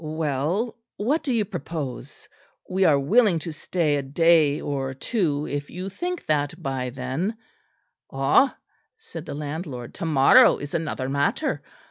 "Well, what do you propose? We are willing to stay a day or two, if you think that by then " "Ah," said the landlord, "to morrow is another matter.